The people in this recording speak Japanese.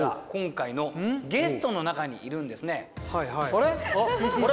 あれ？